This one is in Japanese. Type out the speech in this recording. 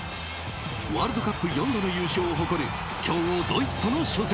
ワールドカップ４度の優勝を誇る強豪ドイツとの初戦。